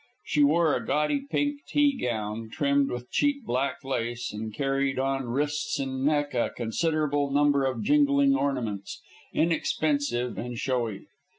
She wore a gaudy pink tea gown, trimmed with cheap black lace, and carried on wrists and neck a considerable number of jingling ornaments, inexpensive and showy.